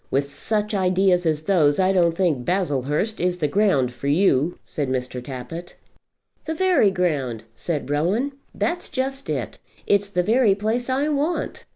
"With such ideas as those I don't think Baslehurst is the ground for you," said Mr. Tappitt. "The very ground!" said Rowan. "That's just it; it's the very place I want.